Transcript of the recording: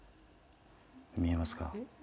見えますか？